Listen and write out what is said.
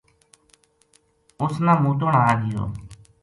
اُس نا موتن آ گیو